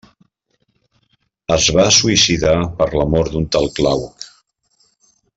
Es va suïcidar per l'amor d'un tal Glauc.